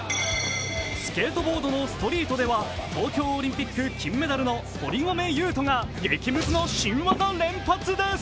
スケートボードのストリートでは東京オリンピック金メダルの堀米雄斗が激ムズの新技連発です。